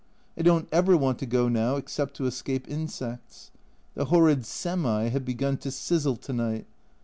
I don't ever want to go now except to escape insects. The horrid ''semi" have begun to sizzle to night.